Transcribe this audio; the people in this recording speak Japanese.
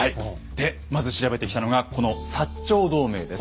でまず調べてきたのがこの長同盟です。